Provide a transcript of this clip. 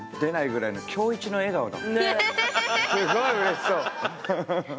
すごいうれしそう。